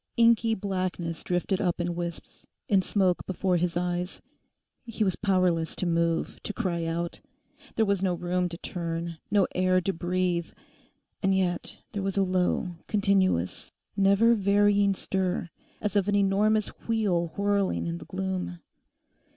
Inky blackness drifted up in wisps, in smoke before his eyes; he was powerless to move, to cry out. There was no room to turn; no air to breathe. And yet there was a low, continuous, never varying stir as of an enormous wheel whirling in the gloom.